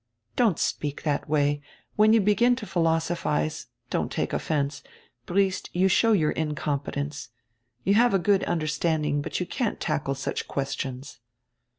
"Don't speak that way. When you begin to philoso phize — don't take offense — Briest, you show your incom petence. You have a good understanding, but you can't tackle such questions."